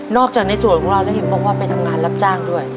จากในส่วนของเราแล้วเห็นบอกว่าไปทำงานรับจ้างด้วย